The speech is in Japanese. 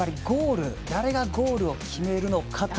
誰がゴールを決めるのかと。